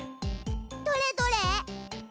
どれどれ？